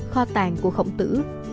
kho tàn của khổng tử